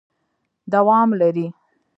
دوام لري ...